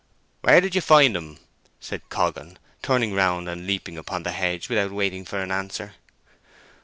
"Where did you find 'em?" said Coggan, turning round and leaping upon the hedge without waiting for an answer.